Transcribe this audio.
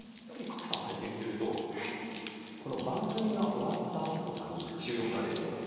やっぱり賀来さん拝見してるとこの番組が終わったあととかに収録がですよ